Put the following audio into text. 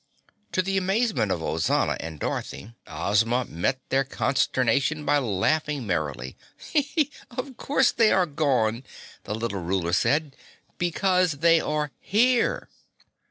To the amazement of Ozana and Dorothy, Ozma met their consternation by laughing merrily. "Of course they are gone," the Little Ruler said, "because they are here!"